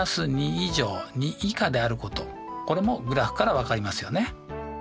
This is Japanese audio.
これもグラフから分かりますよね。